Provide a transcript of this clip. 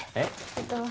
えっと。